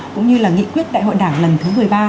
cũng như là nghị quyết đại hội đảng lần thứ một mươi ba